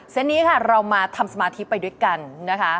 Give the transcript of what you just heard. นี้ค่ะเรามาทำสมาธิไปด้วยกันนะคะ